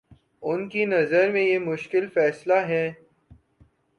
ان کی نظر میں یہ مشکل فیصلے ہیں؟